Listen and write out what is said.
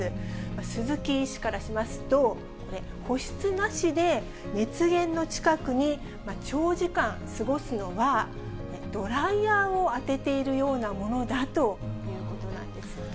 鈴木医師からしますと、これ、保湿なしで熱源の近くに長時間過ごすのは、ドライヤーを当てているようなものだということなんですね。